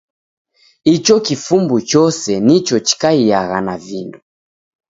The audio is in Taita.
Icho kifumbu chose nicho chikaiagha na vindo.